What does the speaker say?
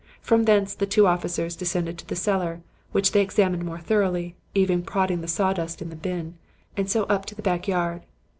From thence the two officers descended to the cellar, which they examined more thoroughly, even prodding the sawdust in the bin, and so up to the back yard.